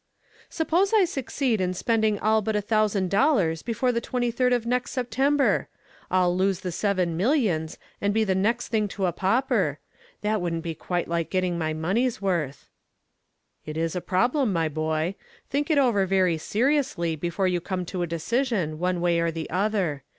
"Suppose I succeed in spending all but a thousand dollars before the 23d of next September! I'd lose the seven millions and be the next thing to a pauper. That wouldn't be quite like getting my money's worth." "It is a problem, my boy. Think it over very seriously before you come to a decision, one way or the other.